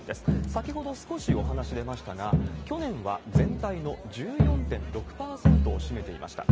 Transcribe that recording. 先ほど少しお話出ましたが、去年は全体の１４．６％を占めていました。